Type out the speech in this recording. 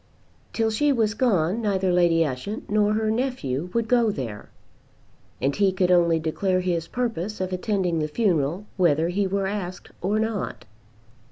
Till she was gone neither Lady Ushant nor her nephew would go there, and he could only declare his purpose of attending the funeral whether he were asked or not.